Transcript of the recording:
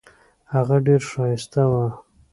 هغه ډیره ښایسته وه.